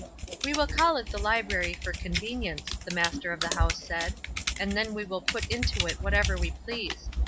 "We will call it the library for convenience," the master of the house said, "and then we will put into it whatever we please.